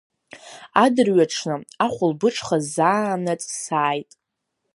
Адырҩаҽны ахәылбыҽха заанаҵ сааит.